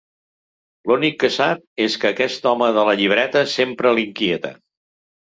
L'únic que sap és que aquest home de la llibreta sempre l'inquieta.